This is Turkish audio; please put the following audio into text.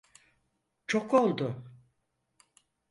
Çok oldu.